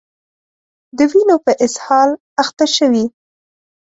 د وینو په اسهال اخته شوي